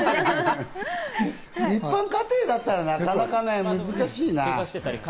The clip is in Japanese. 一般家庭だったら、なかなかね、難しいな。